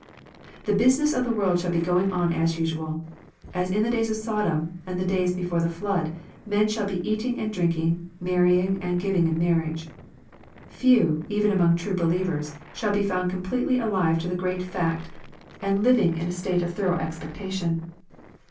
The business of the world shall be going on as usual. As in the days of Sodom, and the days before the flood, men shall be *• eating and drinking, marrying and given in Tnarriage." Few, even among true believers, shall be found completely alive to the great fact, and living in a LUKE, CHAP. XXI. 385 state of thorough expectation.